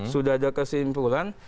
sudah ada kesimpulan